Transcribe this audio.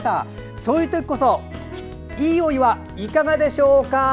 そういうときこそいいお湯はいかがでしょうか。